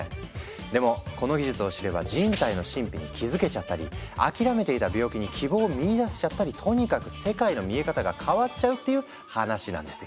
でもこの技術を知れば人体の神秘に気付けちゃったり諦めていた病気に希望を見いだせちゃったりとにかく世界の見え方が変わっちゃうっていう話なんですよ。